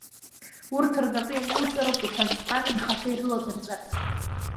Урҭ рнапы иануҵароуп уҳәан-сҳәан анхацәа ирыладырҵәарц.